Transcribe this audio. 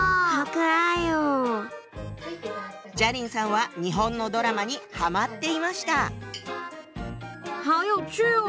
佳伶さんは日本のドラマにハマっていました。